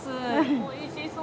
おいしそう。